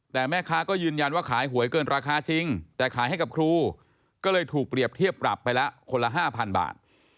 แต่แม่ค้าก็ยืนยันว่าขายหวยเกินราคาจริงแต่ขายให้กับครูก็เลยถูกเปรียบเทียบปรับไปแล้วคนละ๕๐๐บาท